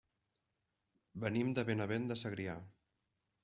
Venim de Benavent de Segrià.